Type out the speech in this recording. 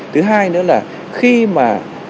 thứ hai nữa là khi mà